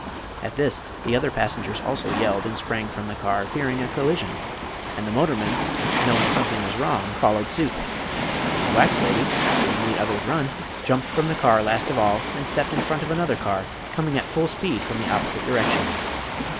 At this the other passengers also yelled and sprang from the car, fearing a collision; and the motorman, knowing something was wrong, followed suit. The wax lady, seeing the others run, jumped from the car last of all, and stepped in front of another car coming at full speed from the opposite direction.